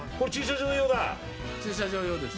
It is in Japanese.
駐車場用です。